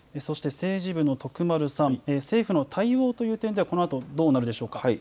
政治部の徳丸さん、政府の対応という点ではこのあとどうなるでしょうか。